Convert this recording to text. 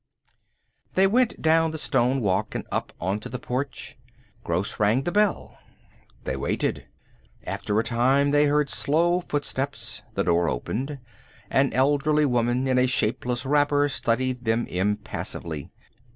They went down the stone walk and up onto the porch. Gross rang the bell. They waited. After a time they heard slow footsteps. The door opened. An elderly woman in a shapeless wrapper studied them impassively.